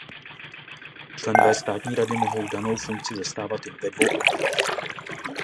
Členové Státní rady mohou danou funkci zastávat jen ve dvou obdobích.